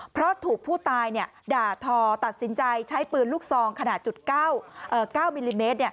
เพราะถูกผู้ตายด่าทอตัดสินใจใช้ปืนลูกซองขนาด๙มิลลิเมตร